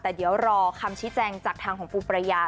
แต่เดี๋ยวรอคำชี้แจงจากทางของปูประยา